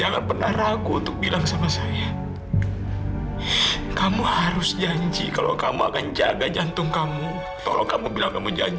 dokter bilang dokter cinta sama saya